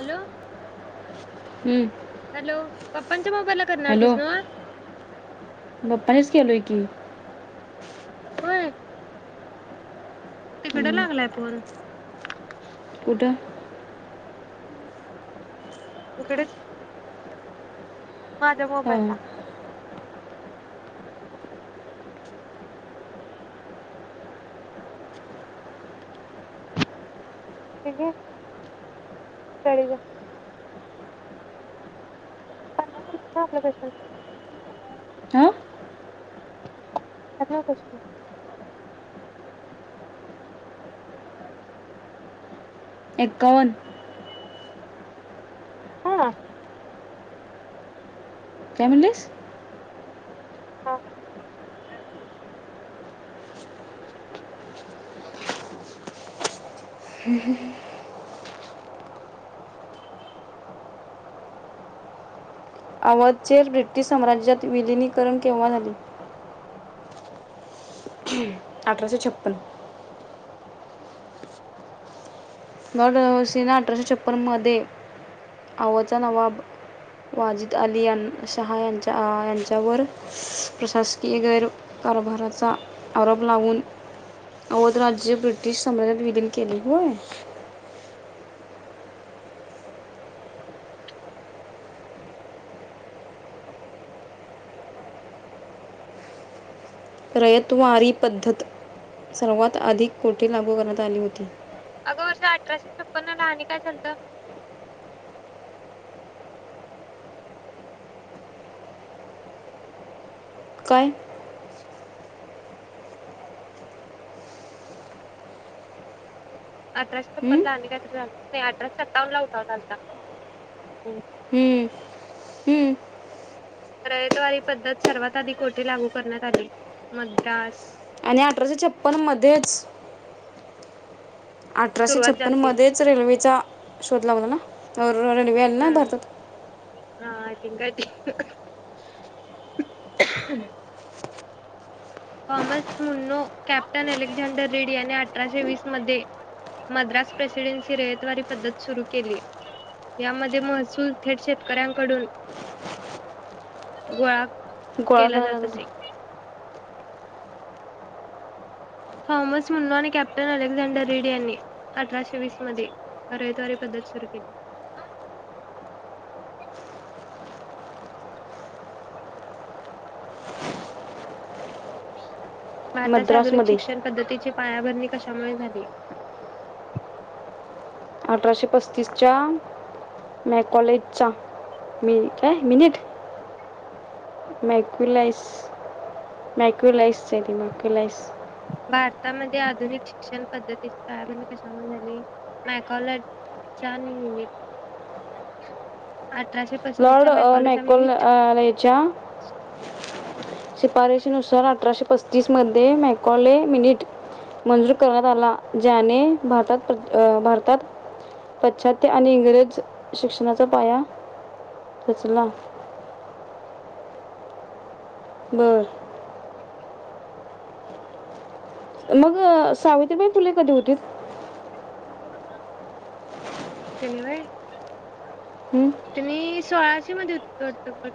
Hello ह hello पप्पांच्या मोबाईलला करणार हॅलो होतीस नव्ह बप्पानीच केलोय की [inaudible] होय तिकड हं, लागलाय पोल त् तिकडचं माझ्या हां मोबाईलला [unintelligible] कळे ग हां [unintelligible] एकावन्न हां काय म्हणलीस? हां [inaudible] हं हं हं आवाजचेर ब्रिटिश साम्राज्यात विलीिनीकरण केव्हा झाले अठराशे छप्पन [unintelligible] सेना अठराशे छपन्नमध्ये अवधचा नवाब वाजीद अली यांना शाह यांच्या यांच्यावर प्रशासकीय गैरकारभाराचा आरोप लावून अवधराज्य ब्रिटिश साम्राज्यात विलीन केले होय. रयतवारी पद्धत सर्वात अधिक कोटी लागू करत चाली होती अगं वर्षा अठराशे छप्पनला आनी काय झालतं? काय? अठराशे हं? छप्पन्नला आणि काही तरी झालत अठराशे सत्तावन्नला उठाव झालता. हम्म हं. हम्म. रयतवारी पद्धत सर्वात आधी कोठे लागू करण्यात आली? मद्रास. आणि अठराशे छप्पन्न मध्येच अठराशे सुरुवात छप्पन्न झालती मदेच रेल्वेचा शोध लावला ना? [unintelligible] रेल्वे आली ना हम्म भारतात? हा थिंक काय ते Thomas Munro captain Alexander Read यांनी अठराशे वीस मध्ये मद्रास प्रेसिडेन्सी रयतवारी पद्धत सुरू केली. यामध्ये महसूल थेट शेतकऱ्यांकडून गोळा गोळा केला जात होत. थॉमस मुन्नो आणि कॅप्टन अलेक्झांडर रेडी यांनी अठराशे वीस मध्ये रयतवारी पद्धत सुरू केली. भारताचे आधुनिक मद्रासमध्ये शिक्षण पद्धतीचे पाया भरणी कशामुळे झाली? अठराशे पस्तीसच्या मॅकॉलेजचा मी काय मिनिट मॅक्युलाईस मॅक्युलाइस हाय ते मॅक्युलाईस. भारतामध्ये आधुनिक शिक्षण पद्धतीत पाया भरणी कशामुळे झाली? मॅकाॅलॉजीच्या निमि लॉर्ड अ मॅको अ लेच्या शिफारशीनुसार अठराशे पस्तीस मध्ये माय कॉले मिनिट मंजूर करण्यात आला ज्याने भारतात प्र अ भारतात पाश्चात्य आणि इंग्रज शिक्षणाचा पाया रचला. बर. मग सावित्रीबाई फुले कधी होतीत? तेनी व्हय तुम्ही सोळाशे मध्ये होतीत वाटत बघ.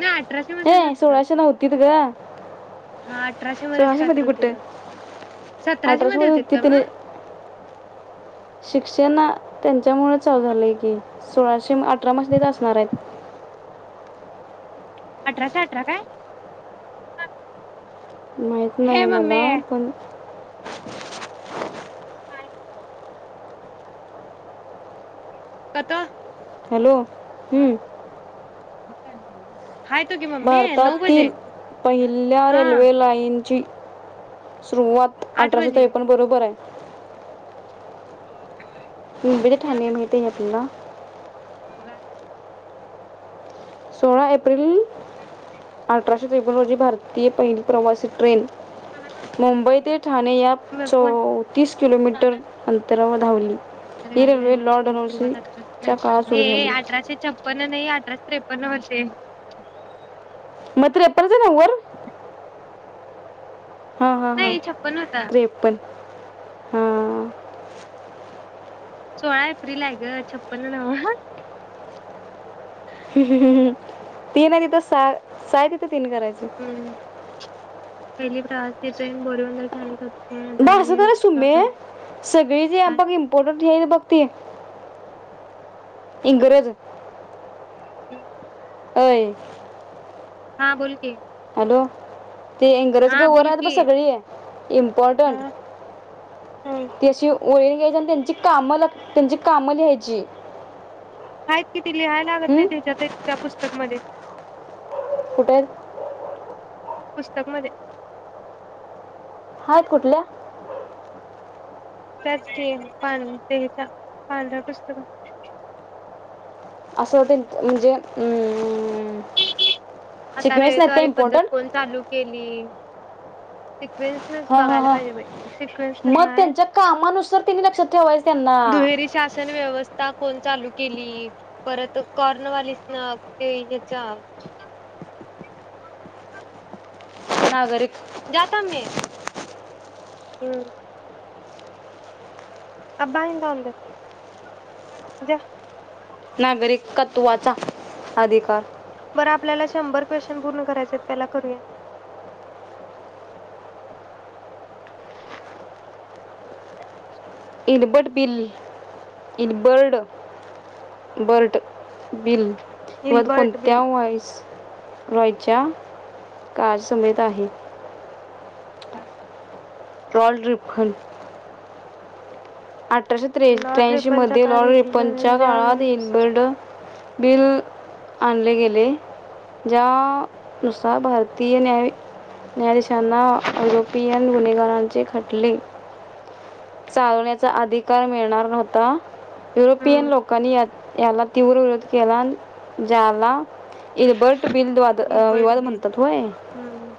नाही अठराशे मध्येच हे होतीत सोळाशे वाटत ला होतीत ग हां अठराशे मध्येच सोळाशे काय तर मध्ये होतीत कुठं वाटत सतराशे अठराशे मध्ये होतीत का म? शिक्षणा त्यांच्या त्यामुळ चालू झालंय की सोळाशे अठरा मध्येच असणार आहेत. अठराशे अठरा काय? माहित हे नाही मम्मी मला पण हाय. कता हॅलो हम्म हे काय नवीन आणि भारतातील पहिल्या हा रेल्वे लाईन ची सुरुवात आठ अठराशे बजे त्रेपन्न बरोबरय. होय व्हय. पिंपरी ठाणे माहिती आहे आपल्याला? ब सोळा एप्रिल अठराशे त्रेपन्न रोजी भारतीय पहिली प्रवासी ट्रेन मुंबई ते ठाणे या फोन चौतीस किलोमीटर अंतरावर धावीला ऑनलाइन ची सुरुवात पण अठराशे काळात त्रेपन्न एक सुरू ए ए झाली अठराशे छप्पन्न नाही अठराशे त्रेपणं वर्ष ये म त्रेपनच नव [inaudible] हां हां हां नाही छप्पन होता त्रेपन्न हां सोळा एप्रिल आहे ग छप्पन नव तीन आणि सहा सहा तिथ तीन करायच पहिली प्रवासी ट्रेन बोरीवंदलच्या अलीकडं उत बारशात हाय ना सुमे सगळी जॅम्पक इम्पॉर्टंट ये ये बघती ये. इंग्रज हम् अय हा बोल की. हलो ते इंगरज हा गवर बोल आहेत बघ की सगळी हा इम्पॉटंट हो ती अशी वही घ्यायची आणि त्यांची काम लक त्यांची कामं लिहायची. हायात कि ति लिहाय लागत नाही हं? त्याच्यात त्या पुस्तक मध्ये फुटलं पुस्तक मध्ये हायत कुठल्या? त्याच की ते हेच्या च्या पांढऱ्या पुस्तकात. असं होत म्हणजे अ आता रयतवारी पद्धत कोण चालू केली. प्रिन्स नेस हां हां बघायला हां पाहिजे बाई. सिकवेन्स न मग हाय त्यांच्या कामानुसार त्यांनी लक्षात ठेवायचं त्यांना दुहेरी शासन व्यवस्था फोन चालू केली. परत कॉर्नवालीस ना ते हेचा [unintelligible] नागरिक जातो मी हम्म अबा हे लावून द्या. जा नागरिकत्वाचा अधिकार बरं आपल्याला शंभर क्वेश्चन पूर्ण करायचे आहेत पहिला करूया. इनबड बिल, इनबर्ड, बर्ड, बिल वर इल्बर्ट कोणत्या बिल व्हाईस रॉयच्या कारसमेत आहे. [inaudible] टॉल ड्रीप खन अठराशे लॉर्ड रिपनच्या त्रे-त्र्याऐंशीमध्ये लॉर्ड काळात रिपनच्या काळात एलबर्ड बिल आणले गेले ज्यानुसार भारतीय न्याय न्यायाधीशांना युरोपियन गुन्हेगारांचे खटले चावण्या चा अधिकार मिळणार नव्हता युरोपियन हम्म लोकांनी या - याला तीव्र विरोध केला ज्याला इलबर्ट बिल्ट वाद इल्बर्ट विवाद बिल म्हणतात होय. हम्म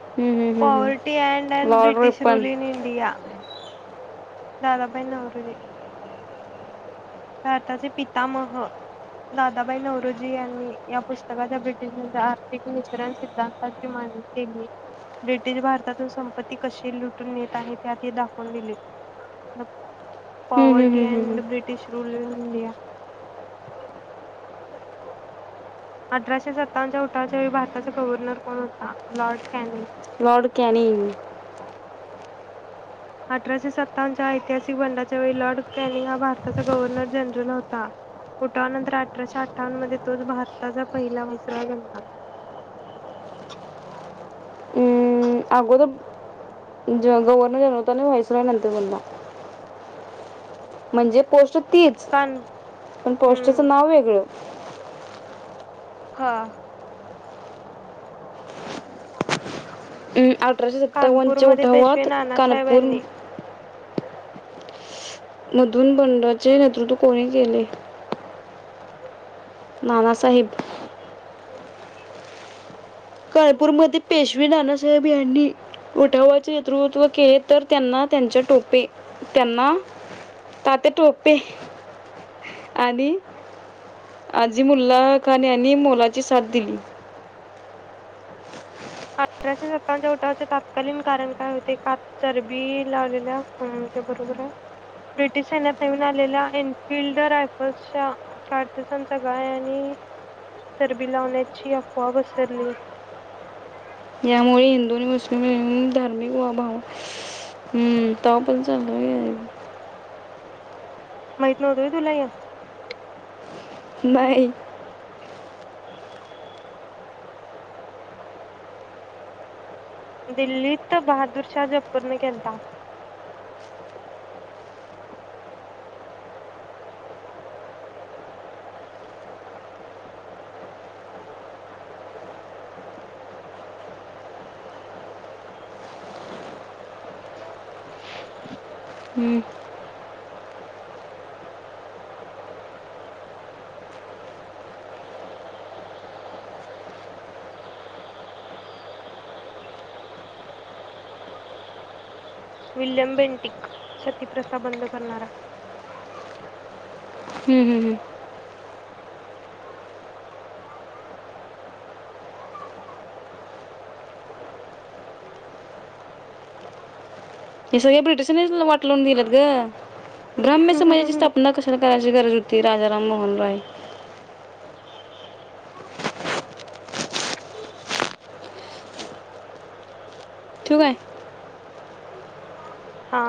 हम्म, हम्म, हम्म, पॉवर्टी अँड हम्म. N Lord British Ripon rule in India Dadabhai Naoroji भारताचे पितामह दादाबाई नौरोजी यांनी या पुस्तकाच्या ब्रिटिशांच्या आर्थिक निसरण सिद्धांताची मांडणी केली ब्रिटिश भारतातून संपत्ती कशी लुटून येत आहे त्यात दाखवून दिले. [inaudible] हम्म, हम्म, पॉवर्टी हम्म, हम्म, अँड हम्म. ब्रिटिश रूल इन इंडिया अठराशे सत्तावन्नच्या उठावच्या वेळी भारताचा गव्हर्नर कोण होता? लॉर्ड कॅनिगं लॉड कॅनीगं अठराशे सत्तावन्नच्या ऐतिहासिक बंडाच्या वेळी लॉर्ड कनिंग हा भारताचा गव्हर्नर जनरल होता, उठावा नंतर अठराशे अठ्ठावन्न मध्ये तोच भारताचा पहिला व्हाईस रॉय बनला. अगोदर ज गव्हर्नर जनरल होता आणि व्हॉईस रॉय नंतर बनला. म्हणजे पोस्ट तीच कान पण हम्म पोस्टचं नाव वेगळं हा [inaudible] अ अठराशे सत्तावन्नच्या कानपूरमध्ये पेशवे उठावात नानासाहेब कानपूर यांनी मधु बंडाचे नेतृत्व कोणी केले? नानासाहेब कालपूरमध्ये पेशवी नानासाहेब यांनी उठावाचे नेतृत्व केले. तर त्यांना त्यांच्या टोपे त्यांना तात्या टोपे आणि आजी मुल्ला खान यांनी मोलाची साथ दिली. शे सत्तावन्न उठावाचे तत्कालीन कारण काय होते? का चरबी लावलेल्याहूं ते बरोबर आहे ब्रिटिश सैन्यात नवीन आलेल्या एनफिल्ड रायफल्सच्या चार दिवसांच्या गायने चरबी लावण्याची अफवा पसरली यामुळे हिंदू आणि मुस्लिम अअ धार्मिक वभाव हं‌ तवापण चालय व्हय माहित नव्हतं होतं तुला य नाही दिल्लीत बहादूर शाह जपूरने केलता [inaudible] हम्म, [inaudible] विल्यम बेंटिक सती प्रथा बंद करणारा हूं हूं हूं [inaudible] हे सगळे ब्रिटिशीस वाट [unintelligible] गेल्यात गं ब्राम्ह समाजाची स्थापना कशाला करायची? काय गरज होती राजा राम मोहन राय [unintelligible] ठिवु काय? हा